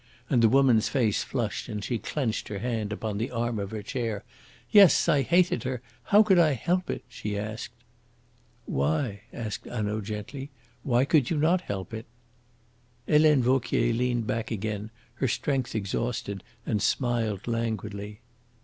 And the woman's face flushed and she clenched her hand upon the arm of her chair. "Yes, I hated her. How could I help it?" she asked. "Why?" asked Hanaud gently. "Why could you not help it?" Helene Vauquier leaned back again, her strength exhausted, and smiled languidly.